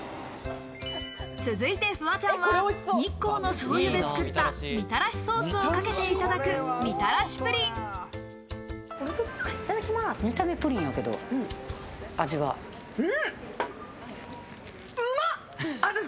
続いてフワちゃんは、日光の醤油で作った、みたらしソースをかけていただく「みたらしぷりん」。